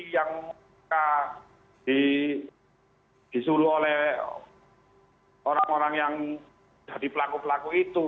yang disuruh oleh orang orang yang jadi pelaku pelaku itu